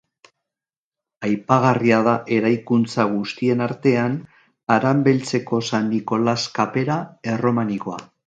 Aipagarria da eraikuntza guztien artean, Haranbeltzeko San Nikolas kapera erromanikoa.